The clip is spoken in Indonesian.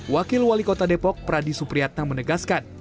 wakil wali kota depok pradi supriyatna menegaskan